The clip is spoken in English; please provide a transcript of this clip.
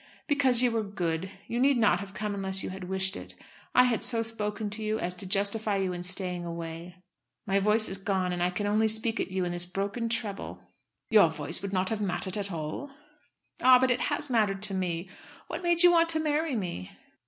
"Because you were good. You need not have come unless you had wished it. I had so spoken to you as to justify you in staying away. My voice is gone, and I can only squeak at you in this broken treble." "Your voice would not have mattered at all." "Ah, but it has mattered to me. What made you want to marry me?"